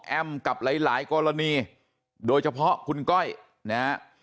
แอมป์กับหลายกรณีโดยเฉพาะคุณก้อยนะ